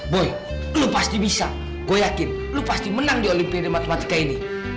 boy lo pasti bisa gue yakin lo pasti menang di olimpiade matematika ini